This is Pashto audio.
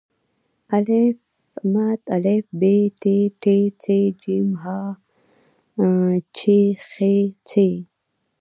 آا ب پ ت ټ ث ج ح چ خ څ